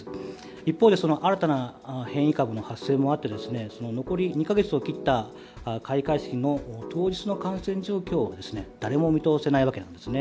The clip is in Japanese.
一方で、新たな変異株の発生もあって開会まで２か月を切った今でも開会式の当時の感染状況を誰も見通せないわけですね。